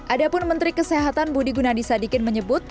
ada pun menteri kesehatan budi gunadisadikin menyebut